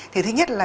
thì thứ nhất là